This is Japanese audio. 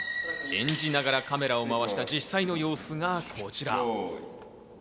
演じながらカメラを回した実際の様子がこちら。